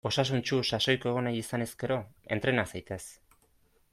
Osasuntsu, sasoiko egon nahi izanez gero; entrena zaitez!